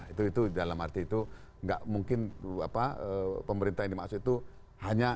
itu dalam arti itu nggak mungkin pemerintah yang dimaksud itu hanya